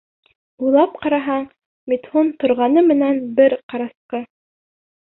Уйлап ҡараһаң, Митхун торғаны менән бер ҡарасҡы.